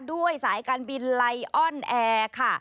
ด้วยสายการบินไลออนแอร์ค่ะ